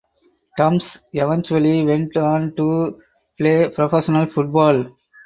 Dumpz eventually went on to play professional football.